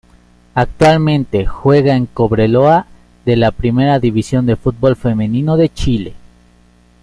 Actualmente juega en Cobreloa de la Primera División de fútbol femenino de Chile.